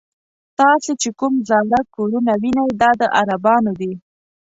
تاسې چې کوم زاړه کورونه وینئ دا د عربانو دي.